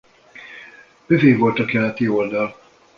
Övé volt a keleti oldal.